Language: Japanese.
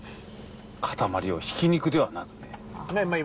塊をひき肉ではなくね。